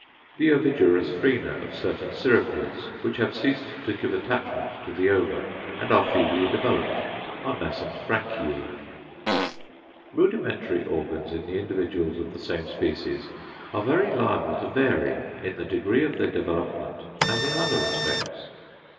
The ovigerous frena of certain cirripedes, which have ceased to give attachment to the ova and are feebly developed, are nascent branchiæ. Rudimentary organs in the individuals of the same species are very liable to vary in the degree of their development and in other respects.